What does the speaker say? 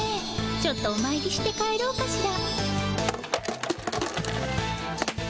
ちょっとおまいりして帰ろうかしら？